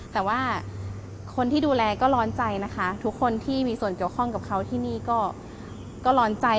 แต่ว่าคนที่ดูแลก็ร้อนใจนะคะทุกคนที่มีส่วนเกี่ยวข้องกับเขาที่นี่ก็ร้อนใจ